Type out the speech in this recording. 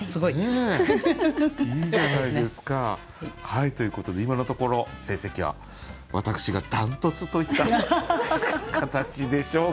いいじゃないですか。ということで今のところ成績は私がダントツといった形でしょうか。